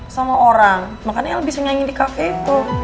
sama orang makanya el bisa nyanyi di cafe itu